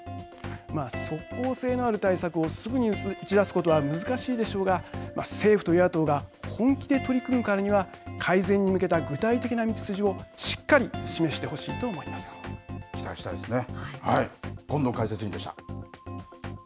まあ、即効性のある対策をすぐに打ち出すことは難しいでしょうが政府と与野党が本気で取り組むからには改善に向けた具体的な道筋をしっかり期待したいですね。